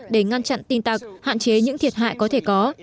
để ngăn chặn tin tặc hạn chế những thiệt hại có thể có